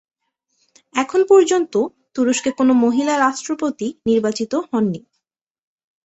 এখন পর্যন্ত, তুরস্কে কোনো মহিলা রাষ্ট্রপতি নির্বাচিত হন নি।